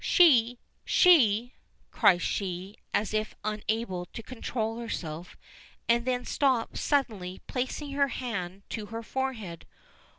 "She! she!" cries she, as if unable to control herself, and then stops suddenly placing her hand to her forehead.